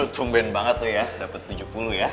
tumben banget lu ya dapet tujuh puluh ya